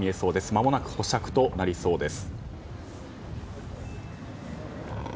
まもなく保釈となりそうです。